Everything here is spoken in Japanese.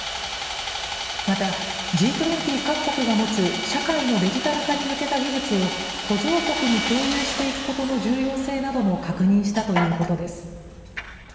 また、Ｇ２０各国が持つ社会のデジタル化に向けた技術を、途上国に共有していくことの重要性なども確認したということです。